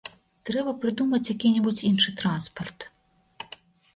Трэба прыдумаць які-небудзь іншы транспарт.